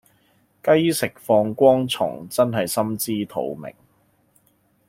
雞食放光蟲真係心知肚明